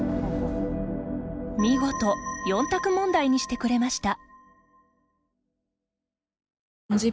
見事４択問題にしてくれました。